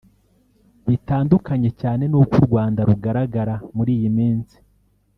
bitandukanye cyane n’uko u Rwanda rugaragara muri iyi minsi